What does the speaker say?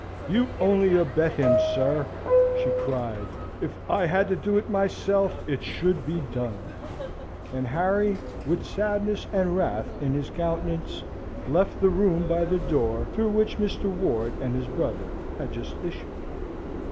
"You only abet him, sir!" she cried. "If I had to do it myself, it should be done!" And Harry, with sadness and wrath in his countenance, left the room by the door through which Mr. Ward and his brother had just issued.